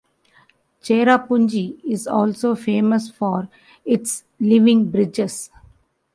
Cherrapunji is also famous for its living bridges.